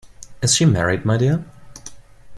Is she married, my dear?